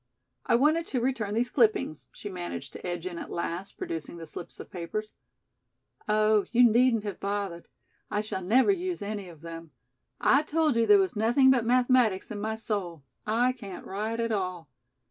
"I wanted to return these clippings," she managed to edge in at last, producing the slips of papers. "Oh, you needn't have bothered. I shall never use any of them. I told you there was nothing but mathematics in my soul. I can't write at all.